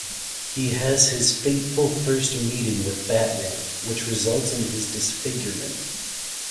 He has his fateful first meeting with Batman, which results in his disfigurement.